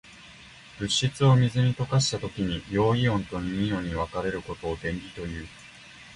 物質を水に溶かしたときに、陽イオンと陰イオンに分かれることを電離という。